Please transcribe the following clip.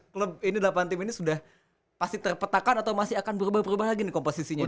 klub ini delapan tim ini sudah pasti terpetakan atau masih akan berubah berubah lagi nih komposisinya